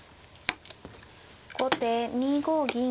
後手２五銀。